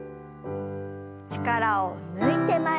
力を抜いて前に。